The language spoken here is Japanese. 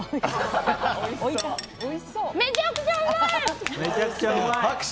めちゃくちゃうまい！